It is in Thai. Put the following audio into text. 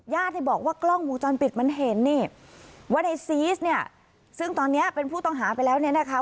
ที่บอกว่ากล้องมูลจรปิดมันเห็นนี่ว่าในซีสเนี่ยซึ่งตอนนี้เป็นผู้ต้องหาไปแล้วเนี่ยนะคะ